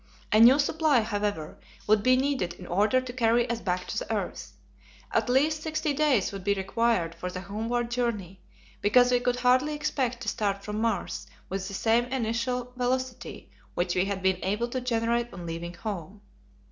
A new supply, however, would be needed in order to carry us back to the earth. At least sixty days would be required for the homeward journey, because we could hardly expect to start from Mars with the same initial velocity which we had been able to generate on leaving home.